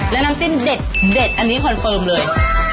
และน้ำจิ้มเด็ดอันนี้คอนเฟิร์มเลย